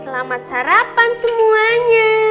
selamat sarapan semuanya